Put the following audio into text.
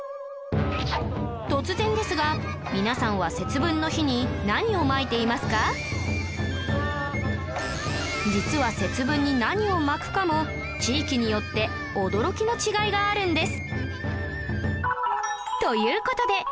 突然ですが皆さんは実は節分に何をまくかも地域によって驚きの違いがあるんです